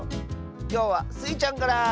きょうはスイちゃんから！